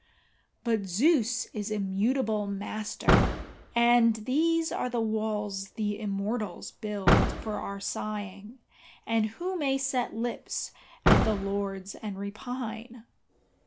But Zeus is immutable Master, and these are the walls the immortals Build for our sighing, and who may set lips at the lords and repine?